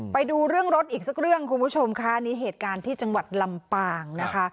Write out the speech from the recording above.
ไปดูเรื่องรถอีกสักเรื่องคุณผู้ชมค่ะอันนี้เหตุการณ์ที่จังหวัดลำปางนะคะ